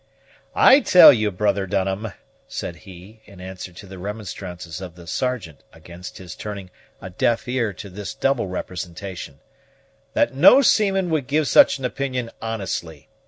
"I tell you, brother Dunham," said he, in answer to the remonstrances of the Sergeant against his turning a deaf ear to this double representation, "that no seaman would give such an opinion honestly.